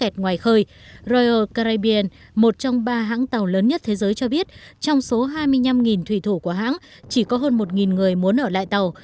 roier carebien một trong ba hãng tàu lớn nhất thế giới cho biết trong số hai mươi năm thủy thủ của hãng chỉ có hơn một người muốn ở lại tàu